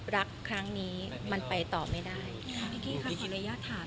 รักครั้งนี้มันไปต่อไม่ได้